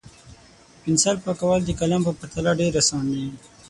د پنسل پاکول د قلم په پرتله ډېر اسانه وي.